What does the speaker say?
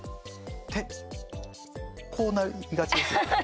手、こうなりがちですよ。